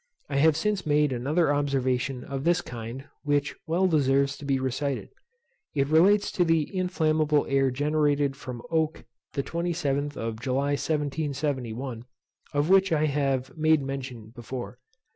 I have since made another observation of this kind, which well deserves to be recited. It relates to the inflammable air generated from oak the 27th of July 1771, of which I have made mention before.